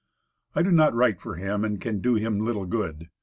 I do not write for him, and can do him little good.